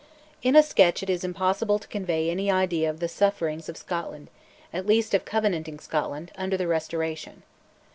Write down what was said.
In a sketch it is impossible to convey any idea of the sufferings of Scotland, at least of Covenanting Scotland, under the Restoration.